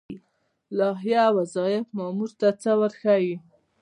لایحه وظایف مامور ته څه ورښيي؟